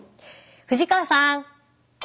藤川さん。